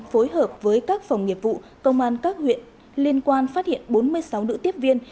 phối hợp với các phòng nghiệp vụ công an các huyện liên quan phát hiện bốn mươi sáu nữ tiếp viên